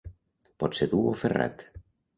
Pot ser dur o ferrat.